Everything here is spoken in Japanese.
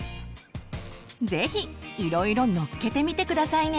ぜひいろいろのっけてみて下さいね！